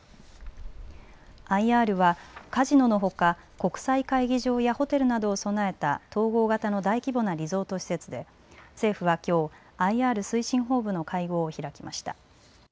ＩＲはカジノのほか国際会議場やホテルなどを備えた統合型の大規模なリゾート施設で政府はきょうＩＲ推進本部の会合を開きました。